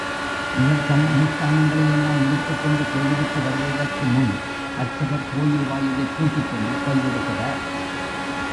இவர் தம் அனுஷ்டானங்களையெல்லாம் முடித்துக் கொண்டு கோயிலுக்கு வருவதற்கு முன் அர்ச்சகர் கோயில் வாயிலைப் பூட்டிக்கொண்டு போய் விடுகிறார்.